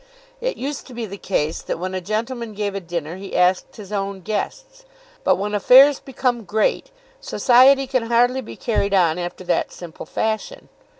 It used to be the case that when a gentleman gave a dinner he asked his own guests; but when affairs become great, society can hardly be carried on after that simple fashion.